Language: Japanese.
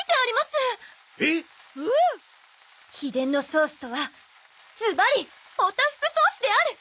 秘伝のソースとはずばりオタフクソースである！